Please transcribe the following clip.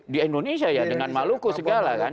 di indonesia ya dengan maluku segala kan